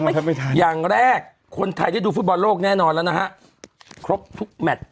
แทบไม่ทันอย่างแรกคนไทยได้ดูฟุตบอลโลกแน่นอนแล้วนะฮะครบทุกแมท